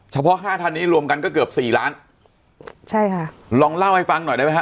ห้าท่านนี้รวมกันก็เกือบสี่ล้านใช่ค่ะลองเล่าให้ฟังหน่อยได้ไหมฮ